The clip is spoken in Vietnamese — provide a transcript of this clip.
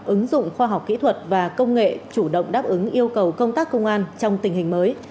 ứng dụng khoa học kỹ thuật và công nghệ chủ động đáp ứng yêu cầu công tác công an trong tình hình mới